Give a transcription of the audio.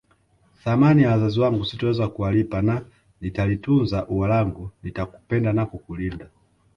Thamani ya wazazi wangu sitoweza kuwalipa na nitalitunza ua langu nitakupenda na kukulinda